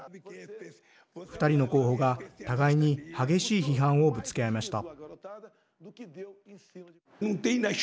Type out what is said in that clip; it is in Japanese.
２人の候補が互いに激しい批判をぶつけ合いました。